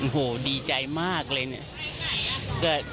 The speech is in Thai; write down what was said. หัวดีใจมากเลยเนี่ย